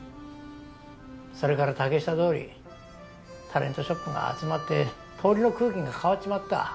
それから竹下通り。タレントショップが集まって通りの空気が変わっちまった。